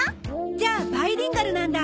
じゃあバイリンガルなんだ。